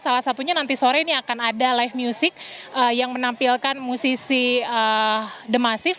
salah satunya nanti sore ini akan ada live music yang menampilkan musisi the masif